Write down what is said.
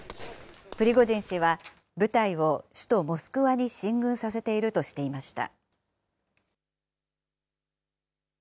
プリゴジン氏は、部隊を首都モスクワに進軍させているとしていました。